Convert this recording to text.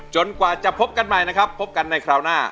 กว่าจะพบกันใหม่นะครับพบกันในคราวหน้า